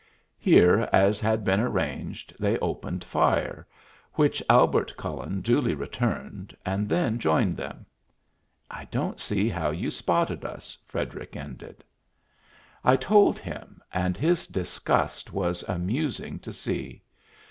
Here, as had been arranged, they opened fire, which Albert Cullen duly returned, and then joined them. "I don't see now how you spotted us," Frederic ended. I told him, and his disgust was amusing to see.